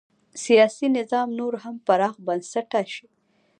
سیاسي نظام نور هم پراخ بنسټه شي.